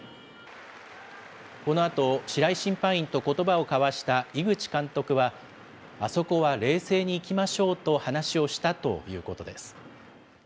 このあと、白井審判員とことばを交わした井口監督は、あそこは冷静にいきましょうと話をしたということです。